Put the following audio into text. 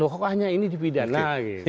kok hanya ini dipidana